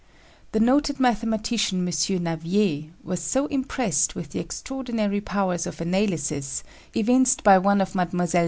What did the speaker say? The noted mathematician, M. Navier, was so impressed with the extraordinary powers of analysis evinced by one of Mlle.